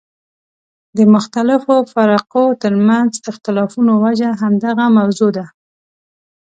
د مختلفو فرقو ترمنځ اختلافونو وجه همدغه موضوع ده.